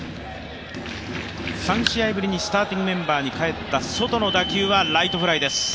３試合ぶりにスターティングメンバーに帰った、ソトの打球はライトフライです。